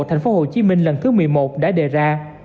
thành phố hồ chí minh lần thứ một mươi một đã đề ra